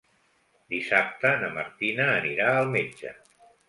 Dissabte na Martina anirà al metge.